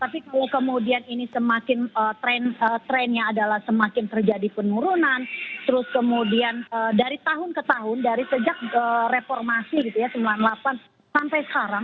tapi kalau kemudian ini semakin trennya adalah semakin terjadi penurunan terus kemudian dari tahun ke tahun dari sejak reformasi gitu ya sembilan puluh delapan sampai sekarang